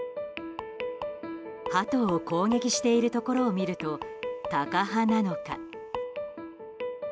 ハトを攻撃しているところを見ると、タカ派なのか？